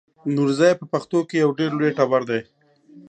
نورزی په پښتنو کې یو ډېر لوی ټبر دی.